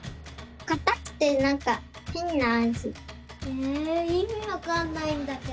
えいみわかんないんだけど。